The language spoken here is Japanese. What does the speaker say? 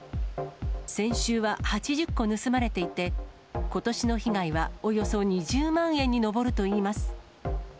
先週は８０個盗まれていて、ことしの被害はおよそ２０万円に上るといいます。